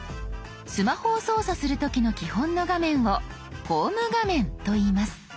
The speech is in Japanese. スマホを操作する時の基本の画面をホーム画面といいます。